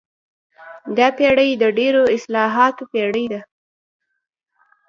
دا پېړۍ د ډېرو اصطلاحاتو پېړۍ ده.